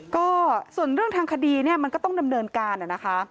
ก็ส่วนเรื่องทางคดีเนี่ยมันก็ต้องดำเนินการนะคะ